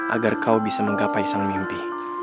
agar kau bisa menggapai sang mimpi